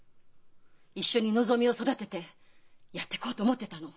一緒にのぞみを育ててやってこうと思ってたの。